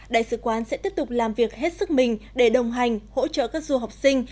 đại sứ quán sẽ tiếp tục làm việc hết sức mình để đồng hành hỗ trợ các du học sinh